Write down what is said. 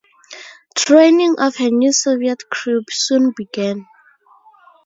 Training of her new Soviet crew soon began.